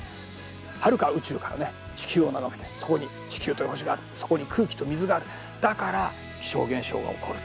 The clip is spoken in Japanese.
はるか宇宙から地球を眺めてそこに地球という星があるそこに空気と水があるだから気象現象が起こる。